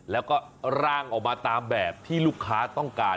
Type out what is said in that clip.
แล้วก็ร่างออกมาตามแบบที่ลูกค้าต้องการ